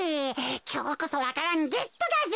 きょうこそわか蘭ゲットだぜ。